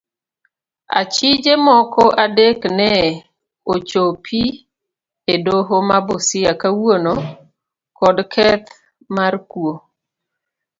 Achije moko adek ne ochopii edoho ma busia kawuono kod keth mar kuo.